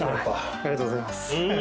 ありがとうございます。